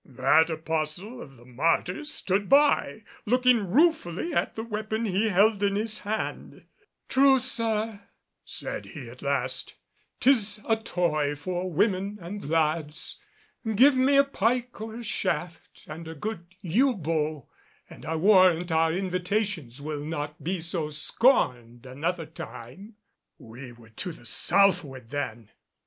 That apostle of the Martyrs stood by, looking ruefully at the weapon he held in his hand. "True, sir," said he at last, "'tis a toy for women and lads. Give me a pike or a shaft and a good yew bow and I warrant our invitations will not be so scorned another time." We were to the southward then!